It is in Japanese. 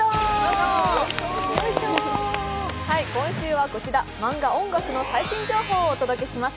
今週はマンガ、音楽の最新情報をお届けします。